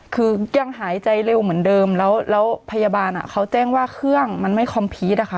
คือยังหายใจเร็วเหมือนเดิมแล้วพยาบาลเขาแจ้งว่าเครื่องมันไม่คอมพีชอะค่ะ